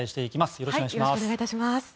よろしくお願いします。